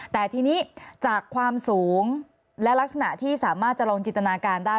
แต่ทีนี้จากความสูงและลักษณะที่สามารถจะลองจินตนาการได้